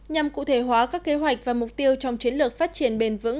nhằm cụ thể hóa các kế hoạch và mục tiêu trong chiến lược phát triển bền vững